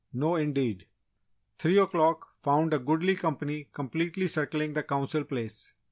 No indeed! Three o'clock found a goodly company completely circling the Council Place.